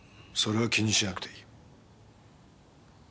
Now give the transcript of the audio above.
それは気にしなくていい。